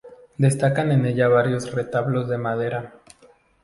Destacan en ella varios retablos de madera.